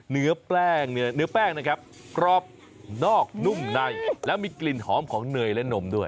เนื้อแป้งเนื้อแป้งนะครับกรอบนอกนุ่มในแล้วมีกลิ่นหอมของเนยและนมด้วย